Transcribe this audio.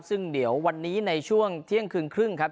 ซึ่งเดี๋ยววันนี้ในช่วงเที่ยงคืนครึ่งครับ